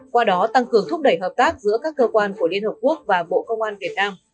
qua đó tăng cường thúc đẩy hợp tác giữa các cơ quan của liên hợp quốc và bộ công an việt nam